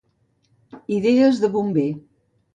Idees de bomber.